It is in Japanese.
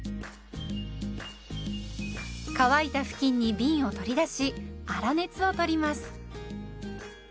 乾いた布巾にびんを取り出し粗熱をとります。